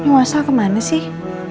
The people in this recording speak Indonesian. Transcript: ini mas al kemana sih